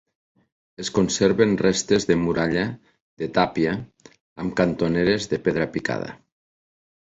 Es conserven restes de muralla de tàpia amb cantoneres de pedra picada.